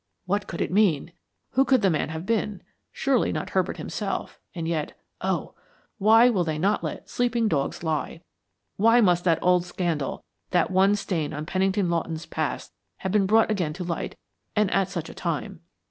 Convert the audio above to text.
"What could it mean? Who could the man have been? Surely not Herbert himself, and yet oh! why will they not let sleeping dogs lie; why must that old scandal, that one stain on Pennington Lawton's past have been brought again to light, and at such a time?